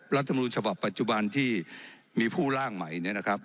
รัฐมนูลฉบับปัจจุบันที่มีผู้ร่างใหม่